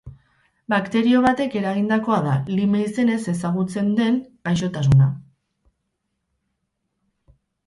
Bakterio batek eragindakoa da lyme izenez ezagutze den den gaixotasuna.